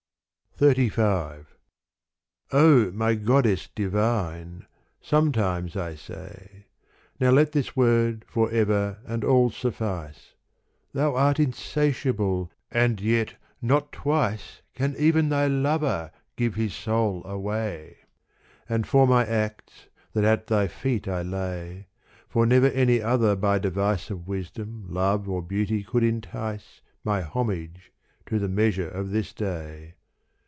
XXXV MY goddess divine, — sometimes I say : Now let this word for ever and all suffice : Thou art insatiable, and yet not twice Can even thy lover give his soul away : And for my acts, that at thy feet I lay, For never any other by device Of wisdom love or beauty could entice My homage to the measure of this day.